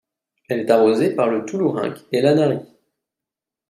Elle est arrosée par le Toulourenc et l'Anary.